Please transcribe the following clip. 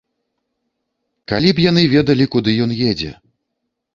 Калі б яны ведалі, куды ён едзе!